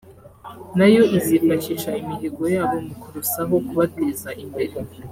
nayo izifashisha imihigo yabo mu kurusaho kubateza imbere